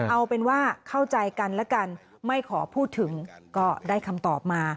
เอาเป็นว่าเข้าใจกันแล้วกันไม่ขอพูดถึงก็ได้คำตอบมา